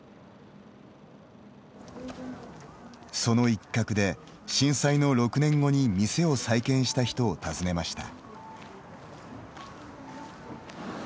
その一角で、震災の６年後に店を再建した人を訪ねました。